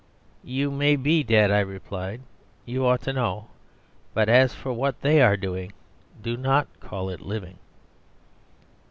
"You may be dead," I replied. "You ought to know. But as for what they are doing, do not call it living."